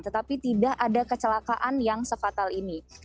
tetapi tidak ada kecelakaan yang se fatal ini